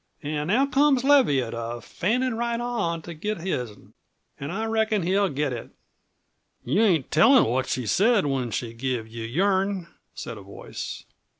An' now comes Leviatt a fannin' right on to get his'n. An' I reckon he'll get it." "You ain't tellin' what she said when she give you your'n," said a voice.